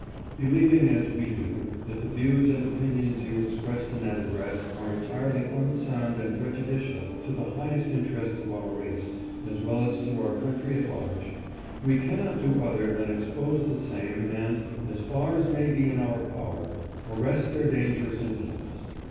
Believing as we do that the views and opinions you expressed in that address are entirely un sound and prejudicial to the highest interests of our race as well as to our country at large, we cannot do other than expose the same and, as far as may be in our power, arrest their dangerous influence.